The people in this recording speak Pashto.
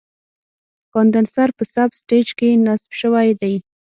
کاندنسر په سب سټیج کې نصب شوی دی.